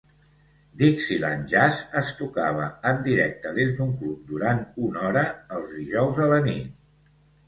Dixieland Jazz es tocava en directe des d'un club durant una hora els dijous a la nit.